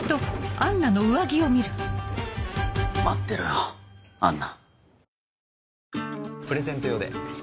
待ってろよアンナ。